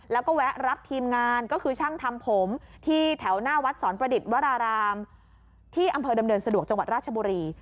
แล้วก็แวะรับทีมงานก็คือช่างทำผมที่แถวหน้าวัดสอนประดิษฐ์วรารามที่อำเภอดำเนินสะดวกจังหวัดราชบุรี